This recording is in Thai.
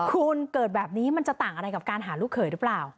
คุณเกิดแบบนี้มันจะต่างอะไรกับการหาลูกเขยหรือเปล่า